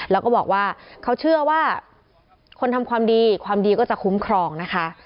แล้วก็บอกว่าเขาเชื่อว่าคนทำความดีความดีก็จะคุ้มครองนะคะ